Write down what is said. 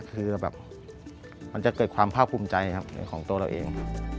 คือมันจะเกิดความภาพภูมิใจของตัวเราเอง